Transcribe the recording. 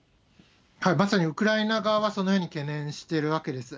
まさにウクライナ側はそのように懸念しているわけです。